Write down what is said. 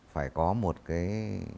phải có một cái